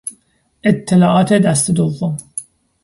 اطلاعات دست دوم